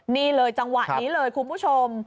นี่เลยจังหวะนี้เลยคุณผู้ชม